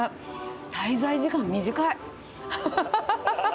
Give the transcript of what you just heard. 滞在時間短い。